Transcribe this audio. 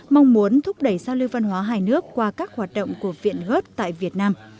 mong muốn thúc đẩy giao lưu văn hóa hai nước qua các hoạt động của viện gớt tại việt nam